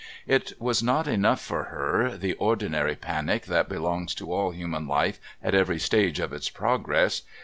It was not enough for her, the ordinary panic that belongs to all human life at every stage of its progress.